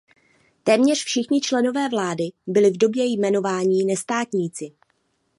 Téměř všichni členové vlády byli v době jmenování nestraníci.